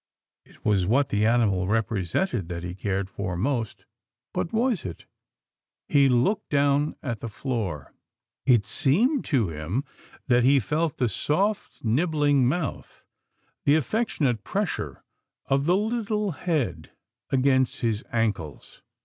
It was what the animal represented that he cared for most — but was it? He looked* down at th^ floor. It seemed to him that he felt 186 'TILDA JANE'S ORPHANS the soft nibbling mouth, the affectionate pressure of the Httle head against his ankles.